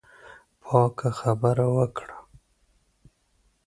پاکه خبره وکړه.